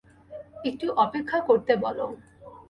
একটু অপেক্ষা করতে বল।